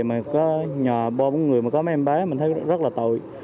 mà có nhà bốn người mà có mấy em bé mình thấy rất là tội